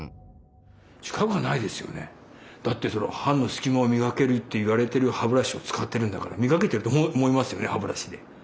だって歯のすき間を磨けるといわれてる歯ブラシを使ってるんだから磨けてると思いますよね歯ブラシで。